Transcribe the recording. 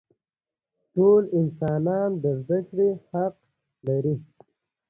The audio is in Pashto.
د تېرو یادونه ذهن ته سکون ورکوي.